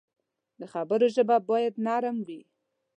د خبرو ژبه باید نرم وي